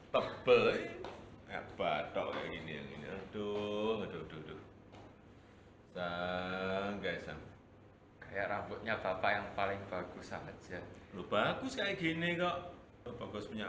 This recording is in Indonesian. pak jokowi meledek gaya rambut ks sang yang inilahnya aneh dan tidak dibilang